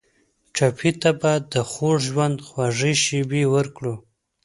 ټپي ته باید د خوږ ژوند خوږې شېبې ورکړو.